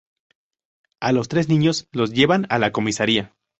A los tres niños los llevan a la comisaría.